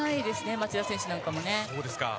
町田選手なんかも。